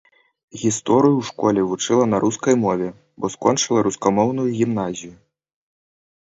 Гісторыю ў школе вучыла на рускай мове, бо скончыла рускамоўную гімназію.